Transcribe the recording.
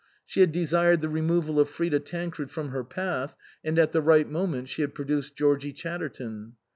She had desired the removal of Frida Tancred from her path, and at the right moment she had produced Georgie Chatterton.